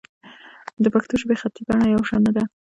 د پښتو ژبې خطي بڼه یو شان نه ده.